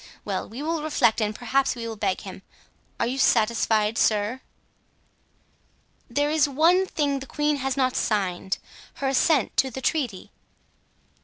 Well, we will reflect and perhaps we will beg him. Are you satisfied, sir?" "There is one thing the queen has not signed—her assent to the treaty."